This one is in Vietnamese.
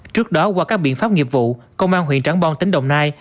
trước đó qua các biện pháp nghiệp vụ công an huyện trắng bom tỉnh đồng nai